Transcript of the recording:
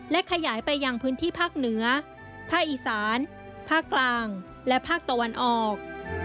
และขยายไปยังพื้นที่ภาคเหนือภาคอีสานภาคกลางและภาคตะวันออก